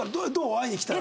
会いに来たら。